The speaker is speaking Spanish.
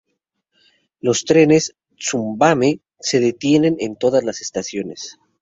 Los trenes "Tsubame" se detienen en todas las estaciones.